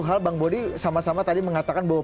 hal bang bodi sama sama tadi mengatakan bahwa